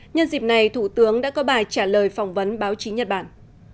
nhân dịp này thủ tướng đã có bài trả lời phỏng vấn báo chí nhật bản